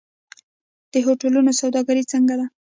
د هوټلونو سوداګري څنګه ده؟